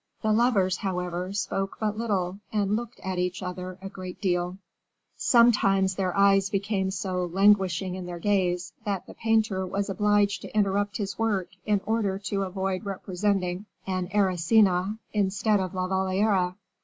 The lovers, however, spoke but little, and looked at each other a great deal; sometimes their eyes became so languishing in their gaze, that the painter was obliged to interrupt his work in order to avoid representing an Erycina instead of La Valliere.